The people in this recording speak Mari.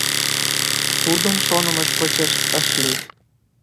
Тудын шонымыж почеш ыш лий.